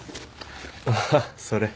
あっそれ。